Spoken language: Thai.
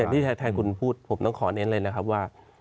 ที่แทนคุณพูดผมต้องขอเน้นเลยนะครับว่า